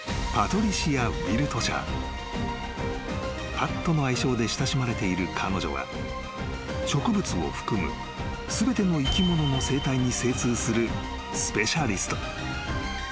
［パットの愛称で親しまれている彼女は植物を含む全ての生き物の生態に精通するスペシャリスト］